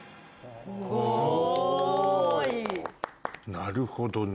なるほどね。